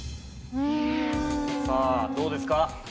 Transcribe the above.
さあどうですか？